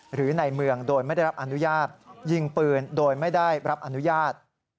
หรือในเมืองโดยไม่ได้รับอนุญาตยิงปืนโดยไม่ได้รับอนุญาต